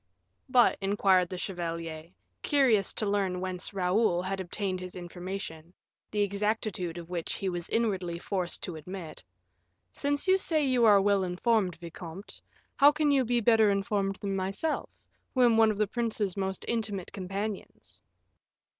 "But," inquired the chevalier, curious to learn whence Raoul had obtained his information, the exactitude of which he was inwardly forced to admit, "since you say you are well informed, vicomte, how can you be better informed than myself, who am one of the prince's most intimate companions?"